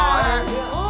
udah gini gini